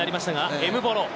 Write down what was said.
エムボロ。